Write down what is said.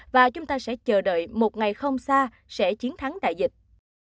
và chúng ta sẽ chờ đợi một ngày không xa sẽ chiến thắng đại dịch